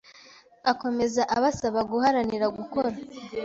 Akomeza abasaba guharanira gukora